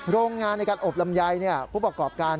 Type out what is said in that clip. โรงงานในการอบลำไยผู้ประกอบการ